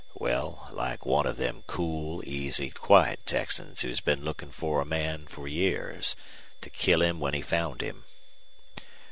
"Well, like one of them cool, easy, quiet Texans who's been lookin' for a man for years to kill him when he found him."